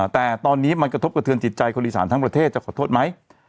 แต่ตอนนี้มันกระทบกระเทือนจิตใจคนอีสานทั้งประเทศจะขอโทษไหม